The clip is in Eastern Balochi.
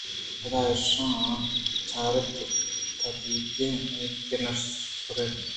پداایشاں چار اِت اے کدیگین اِنت کہ نہ سُریت